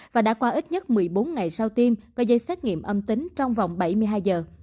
và đã qua ít nhất một mươi bốn ngày sau tiêm có dây xét nghiệm âm tính trong vòng bảy mươi hai giờ